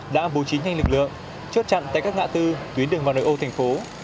đã bố trí nhanh lực lượng chốt chặn tại các ngã tư tuyến đường vào nội ô thành phố